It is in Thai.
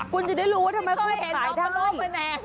คุณจะได้รู้ว่าทำไมเขาขายได้ไม่เคยเห็นต้องมาโลกแม่แนงอ่ะ